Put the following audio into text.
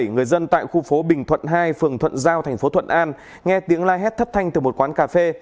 người dân tại khu phố bình thuận hai phường thuận giao thành phố thuận an nghe tiếng lai hét thấp thanh từ một quán cà phê